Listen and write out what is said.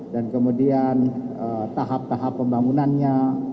dan kemudian tahap tahap pembangunannya